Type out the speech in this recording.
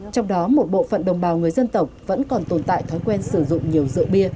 trong đó một bộ phận đồng bào người dân tộc vẫn còn tồn tại thói quen sử dụng nhiều rượu bia